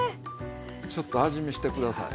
ちょっと味見して下さい。